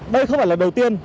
đây không phải là lần đầu tiên